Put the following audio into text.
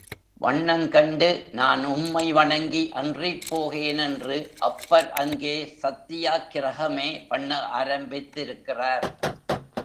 வண்ணங்கண்டு நான் உம்மை வணங்கி அன்றிப் போகேன் என்று அப்பர் அங்கே சத்தியாக்கிரஹமே பண்ண ஆரம்பித்திருக்கிறார்.